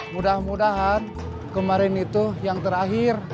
mudah mudahan kemarin itu yang terakhir